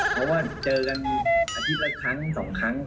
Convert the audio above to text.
เพราะว่าเจอกันอาทิตย์ละครั้ง๒ครั้ง